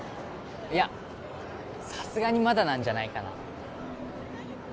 いやさすがにまだなんじゃないかな